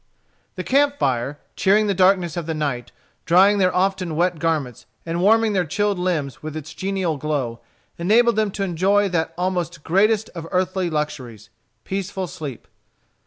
The camp fire, cheering the darkness of the night, drying their often wet garments, and warming their chilled limbs with its genial glow, enabled them to enjoy that almost greatest of earthly luxuries, peaceful sleep.